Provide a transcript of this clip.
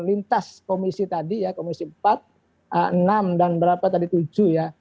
lintas komisi tadi ya komisi empat enam dan berapa tadi tujuh ya